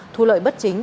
thu lợi bất chính